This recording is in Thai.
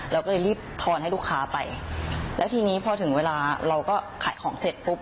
เราก็เลยรีบทอนให้ลูกค้าไปแล้วทีนี้พอถึงเวลาเราก็ขายของเสร็จปุ๊บ